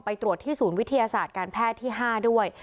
ตรวจที่ศูนย์วิทยาศาสตร์การแพทย์ที่๕ด้วย